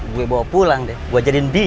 gue bawa pulang deh gue jadikan dini